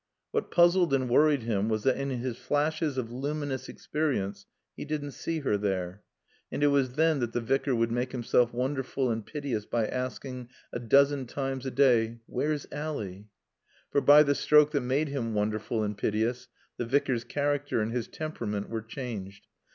What puzzled and worried him was that in his flashes of luminous experience he didn't see her there. And it was then that the Vicar would make himself wonderful and piteous by asking, a dozen times a day, "Where's Ally?" For by the stroke that made him wonderful and piteous the Vicar's character and his temperament were changed.